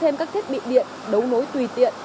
thêm các thiết bị điện đấu nối tùy tiện